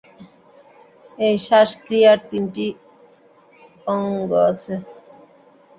এই শ্বাস-ক্রিয়ার তিনটি অঙ্গ আছে।